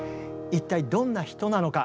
一体どんな人なのか。